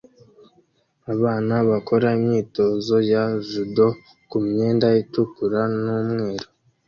Abana bakora imyitozo ya judo kumyenda itukura n'umweru